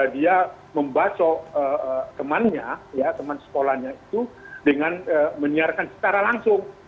dia membacok temannya ya teman sekolahnya itu dengan menyiarkan secara langsung